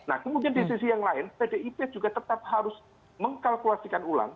nah kemudian di sisi yang lain pdip juga tetap harus mengkalkulasikan ulang